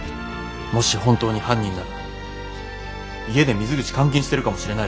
もし本当に犯人なら家で水口監禁してるかもしれないだろ。